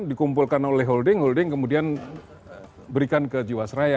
dikumpulkan oleh holding holding kemudian berikan ke jiwasraya